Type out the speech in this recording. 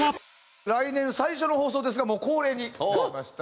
来年最初の放送ですがもう恒例になりました